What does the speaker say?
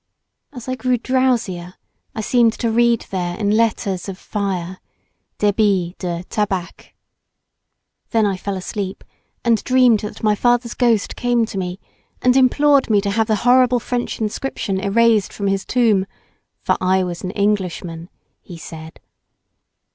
As I grew drowsier I seemed to read there in letters of fire "Débit de Tabac" Then I fell asleep, and dreamed that my father's ghost came to me, and implored me to have the horrible French inscription erased from his tomb "for I was an Englishman," he said.